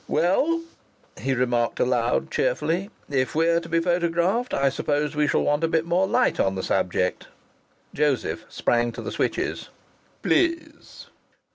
"Well," he remarked aloud cheerfully. "If we're to be photographed, I suppose we shall want a bit more light on the subject." Joseph sprang to the switches. "Please!"